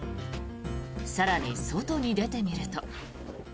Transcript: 更に外に出てみると。